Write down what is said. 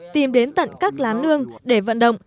tìm đến tận các lán nương để vận động